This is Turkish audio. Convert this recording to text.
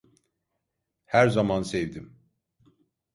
Her zaman sevdim.